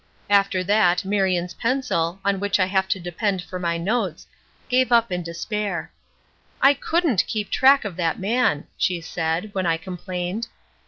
After that, Marion's pencil, on which I have to depend for my notes, gave up in despair. "I couldn't keep track of that man!" she said, when I complained.